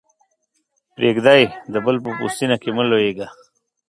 پرېږده يې؛ د بل په پوستينه کې مه لویېږه.